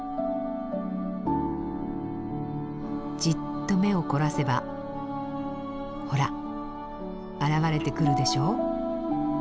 じっと目を凝らせばほら現れてくるでしょう？